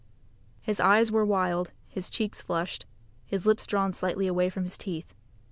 His eyes were wild, his cheeks flushed, his lips drawn slightly away from his teeth.